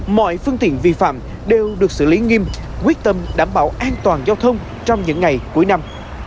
mọi phương tiện vi phạm đều được xử lý nghiêm quyết tâm đảm bảo an toàn giao thông trong những ngày cuối năm